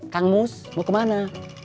kang mus mau kemana